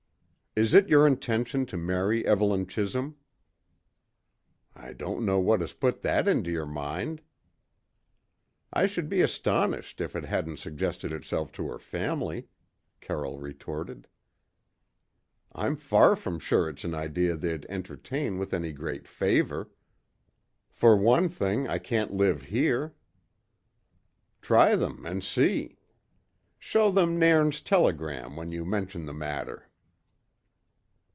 "Is it your intention to marry Evelyn Chisholm?" "I don't know what has put that into your mind." "I should be astonished if it hadn't suggested itself to her family," Carroll retorted. "I'm far from sure it's an idea they'd entertain with any great favour. For one thing, I can't live here." "Try them, and see. Show them Nairn's telegram when you mention the matter."